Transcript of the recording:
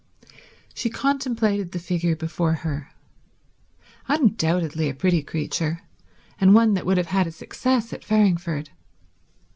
She contemplated the figure before her. Undoubtedly a pretty creature, and one that would have had a success at Farringford.